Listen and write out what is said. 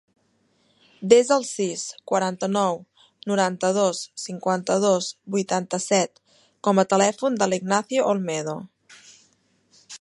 Desa el sis, quaranta-nou, noranta-dos, cinquanta-dos, vuitanta-set com a telèfon de l'Ignacio Olmedo.